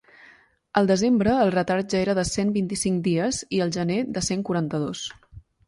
El desembre el retard ja era de cent vint-i-cinc dies i el gener, de cent quaranta-dos.